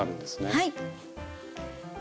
はい。